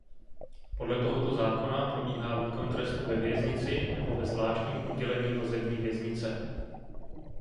Podle tohoto zákona probíhá výkon trestu ve věznici nebo ve zvláštním oddělení vazební věznice.